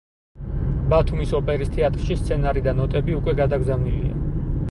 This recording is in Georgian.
ბათუმის ოპერის თეატრში სცენარი და ნოტები უკვე გადაგზავნილია.